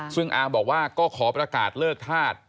ซึ่งอาร์มบอกว่าก็ขอประกาศเลิกธาตุ